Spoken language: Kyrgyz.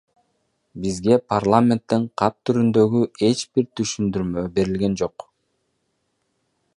Бизге парламенттен кат түрүндөгү эч бир түшүндүрмө берилген жок.